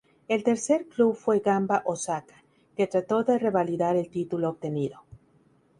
El tercer club fue Gamba Osaka, que trató de revalidar el título obtenido.